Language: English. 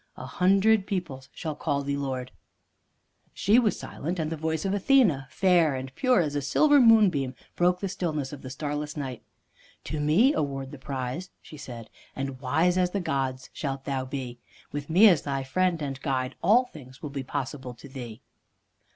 A hundred peoples shall call thee lord." She was silent, and the voice of Athene, fair and pure as a silver moonbeam, broke the stillness of the starless night. "To me award the prize," she said, "and wise as the gods shalt thou be. With me as thy friend and guide, all things will be possible to thee."